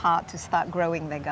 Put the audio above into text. untuk memulai mengembangkan perang